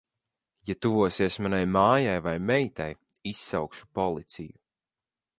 Ja tuvosies manai mājai vai meitai, izsaukšu policiju.